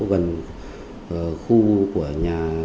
gần khu của nhà